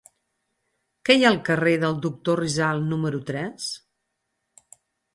Què hi ha al carrer del Doctor Rizal número tres?